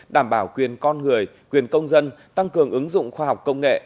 đảm bảo quyền con người quyền công dân tăng cường ứng dụng khoa học công nghệ